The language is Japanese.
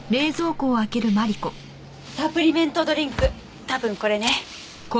サプリメントドリンク多分これね。